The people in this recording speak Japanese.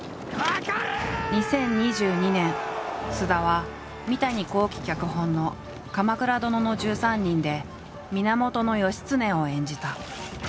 ２０２２年菅田は三谷幸喜脚本の「鎌倉殿の１３人」で源義経を演じた。